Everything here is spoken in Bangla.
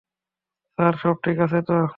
স্যার, সব ঠিক আছে তো?